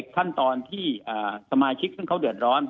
ขั้นตอนที่สมาชิกซึ่งเขาเดือดร้อน